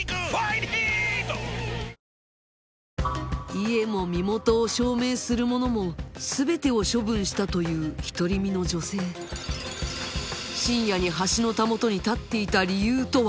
家も身元を証明する物もすべてを処分したという独り身の女性深夜に橋のたもとに立っていた理由とは？